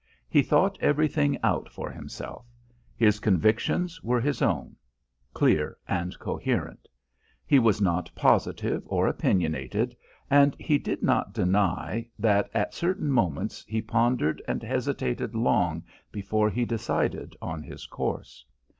He thought everything out for himself. His convictions were his own clear and coherent. He was not positive or opinionated, and he did not deny that at certain moments he pondered and hesitated long before he decided on his course.